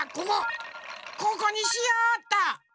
ここにしようっと。